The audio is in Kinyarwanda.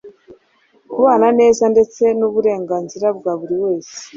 kubana neza ndetse n’uburenganzira bwa buri wese.